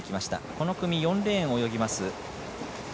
この組４レーンを泳ぎます